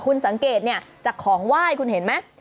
คุณสังเกตจากของไหว้คุณเห็นไหม